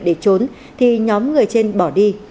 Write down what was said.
để trốn thì nhóm người trên bỏ đi